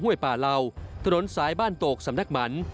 ป่าเหล่าถนนสายบ้านโตกสำนักหมัน